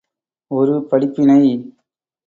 ஒரு படிப்பினை ….